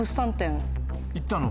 行ったの？